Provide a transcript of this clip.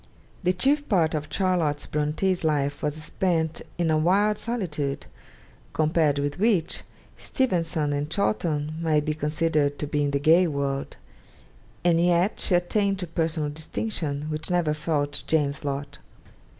The chief part of Charlotte Bronte's life was spent in a wild solitude compared with which Steventon and Chawton might be considered to be in the gay world; and yet she attained to personal distinction which never fell to Jane's lot.